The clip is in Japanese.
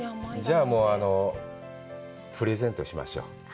じゃあ、プレゼントしましょう。